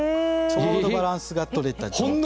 ちょうどバランスがとれた状態。